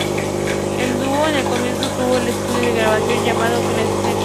El dúo en el comienzo, tuvo su estudio de grabación llamado "Gee Street".